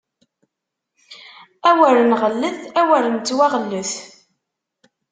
Awer nɣellet, awer nettwaɣellet!